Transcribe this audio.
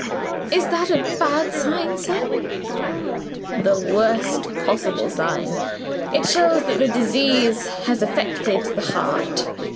"Is that a bad sign, sir?" "The worst possible sign; it shows that the disease has affected the heart.